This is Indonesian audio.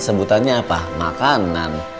sebutannya apa makanan